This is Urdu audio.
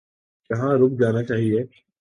یہاں رک جانا چاہیے۔